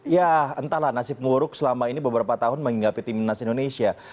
ya entahlah nasib muruk selama ini beberapa tahun menginggapi tim nasi indonesia